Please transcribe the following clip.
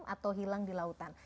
atau hilang di lautan